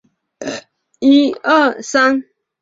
系统采用了。